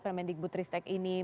permendigbud ristek ini